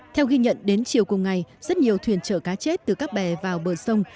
theo ghi nhận đến chiều cùng ngày rất nhiều thuyền chở cá chết từ các bè vào bờ sông